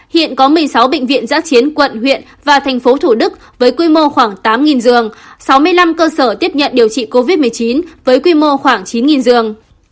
hiện có một mươi sáu bệnh viện giã chiến quận huyện và thành phố thủ đức với quy mô khoảng tám giường sáu mươi năm cơ sở tiếp nhận điều trị covid một mươi chín với quy mô khoảng chín giường